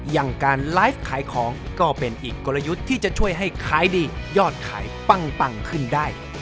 อย่างการไลฟ์ขายของก็เป็นอีกกลยุทธ์ที่จะช่วยให้ขายดียอดขายปังขึ้นได้